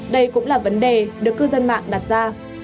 đây cũng là vấn đề được cư dân mạng đặt ra